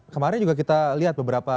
kemarin juga kita lihat beberapa